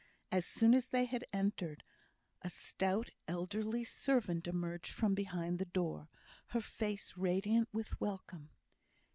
As soon as they had entered, a stout, elderly servant emerged from behind the door, her face radiant with welcome.